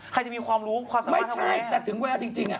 จะมีความรู้ความสามารถไม่ใช่แต่ถึงเวลาจริงอ่ะ